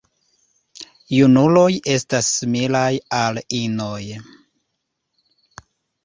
Junuloj estas similaj al inoj.